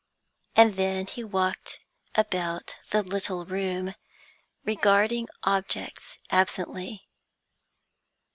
And then he walked about the little room, regarding objects absently.